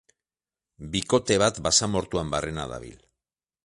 Bikote bat basamortuan barrena dabil.